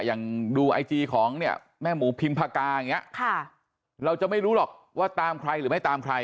อย่างดูไอจีของเนี่ยแม่หมูพิมพากาอย่างนี้เราจะไม่รู้หรอกว่าตามใครหรือไม่ตามใคร